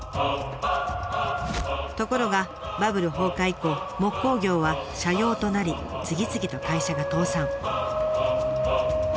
ところがバブル崩壊以降木工業は斜陽となり次々と会社が倒産。